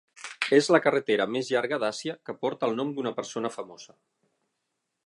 És la carretera més llarga d'Àsia que porta el nom d'una persona famosa.